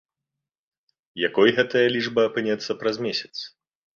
Якой гэтая лічба апынецца праз месяц?